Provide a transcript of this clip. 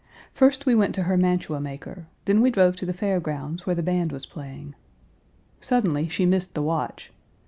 First, we went to her mantua maker, then we drove to the Fair Grounds where the band was playing. Suddenly, she missed the watch.